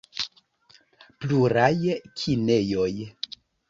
Pluraj kinejoj.